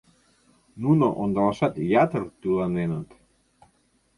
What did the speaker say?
Нуно ондалашат ятыр тӱланеныт.